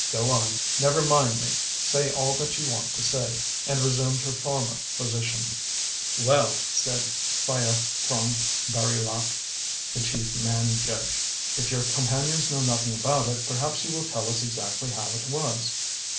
Go on. Never mind me. Say all that you want to say"; and resumed her former position. "Well!" said P'hayaprome Baree Rak, the chief man judge; "if your companions know nothing about it, perhaps you will tell us exactly how it was."